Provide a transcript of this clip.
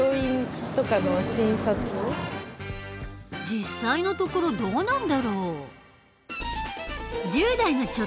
実際のところどうなんだろう？